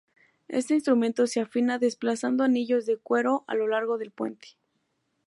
Este instrumento se afina desplazando anillos de cuero a lo largo del puente.